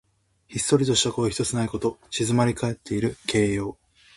ひっそりとして声ひとつないこと。静まりかえっている形容。